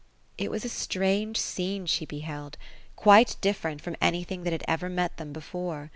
It was a strange scene she beheld ; quite diiferent from anything that had ever met them before.